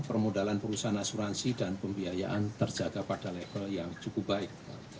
permodalan perusahaan asuransi dan pembiayaan terjaga pada level yang cukup baik